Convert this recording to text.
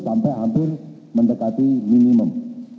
sampai hampir mendekati minimum